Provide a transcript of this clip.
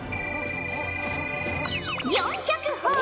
４００ほぉ。